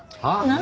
何？